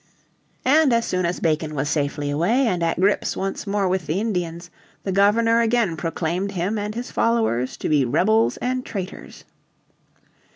And as soon as Bacon was safely away, and at grips once more with the Indians, the Governor again proclaimed him and his followers to be rebels and traitors.